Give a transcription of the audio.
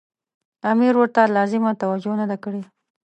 امیر ورته لازمه توجه نه ده کړې.